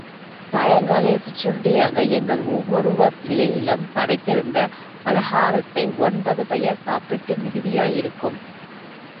சாயங்காலச் சிற்றுண்டியாக எங்கள் ஒவ்வொருவர் இலையிலும் படைத்திருந்த பலஹாரத்தை ஒன்பது பெயர் சாப்பிட்டு மிகுதியாயிருக்கும்!